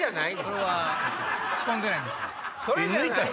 はい！